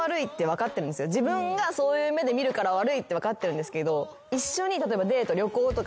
自分がそういう目で見るから悪いって分かってるんですけど一緒に例えばデート。